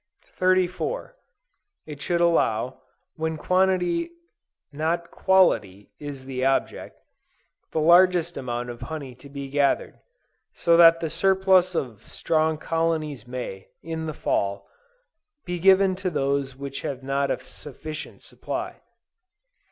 34. It should allow, when quantity not quality is the object, the largest amount of honey to be gathered; so that the surplus of strong colonies may, in the Fall, be given to those which have not a sufficient supply.